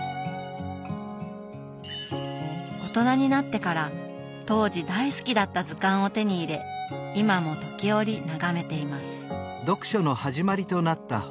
大人になってから当時大好きだった図鑑を手に入れ今も時折眺めています。